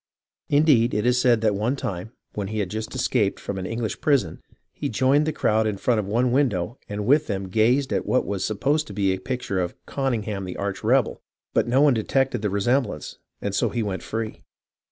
Indeed, it is said that one time, when he had just escaped from an English prison, he joined the crowd in front of one window and with them gazed at what was sup posed to be a picture of "Conyngham the Arch Rebel," but no one detected the resemblance, and so he went free.